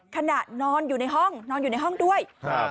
ขณะนอนอยู่ในห้องนอนอยู่ในห้องด้วยครับ